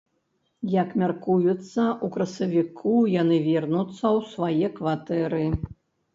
Як мяркуецца, у красавіку яны вернуцца ў свае кватэры.